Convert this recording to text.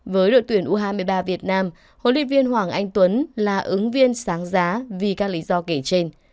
với đội tuyển u hai mươi ba việt nam huấn luyện viên hoàng anh tuấn là ứng viên sáng giá vì các lý do kể trên